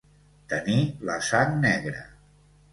Tenir la sang negra.